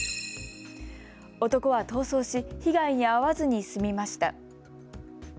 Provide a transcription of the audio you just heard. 男は逃走し被害に遭わずに済みました。